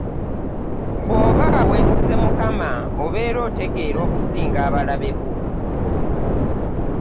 Bw'oba weesize Mukama obeera otegeera okusinga abalabe bo.